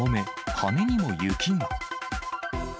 羽にも雪が。